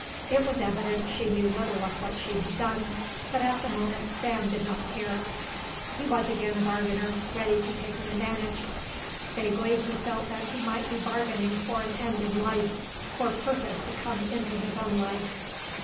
It was evident she knew little of what she had done, but at the moment Sam did not care. He was again a bargainer, ready to take an advantage. Vaguely he felt that he might be bargaining for an end in life, for purpose to come into his own life.